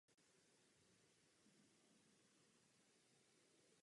Město je významnou dopravní křižovatkou.